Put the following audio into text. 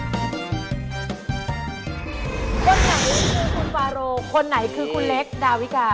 คนไหนคือคุณฟาโรคนไหนคือคุณเล็กดาวิกา